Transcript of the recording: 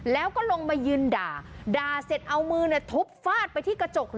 แล้วก็ลงมายืนด่าด่าเสร็จเอามือทุบฟาดไปที่กระจก